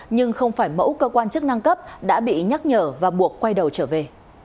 nhưng không phải mẫu cơ quan chức năng cấp đã bị nhắc nhở và buộc quay đầu trở về